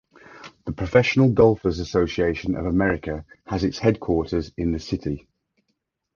The Professional Golfers' Association of America has its headquarters in the city.